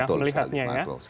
makro betul sekali makro sekali